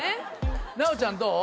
奈央ちゃんどう？